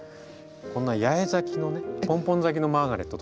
こんな八重咲きのねポンポン咲きのマーガレットとかね。